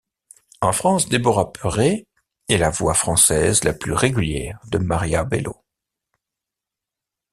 En France, Déborah Perret est la voix française la plus régulière de Maria Bello.